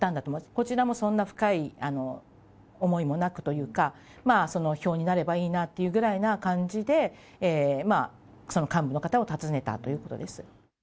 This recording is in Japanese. こちらもそんな深い思いもなくというか、票になればいいなっていうぐらいな感じで、その幹部の方を訪ねたということです。